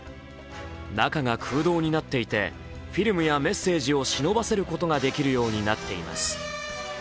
中が空洞になっていて、フィルムやメッセージをしのばせることができるようになっています。